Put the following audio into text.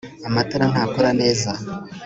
amatara ntakora neza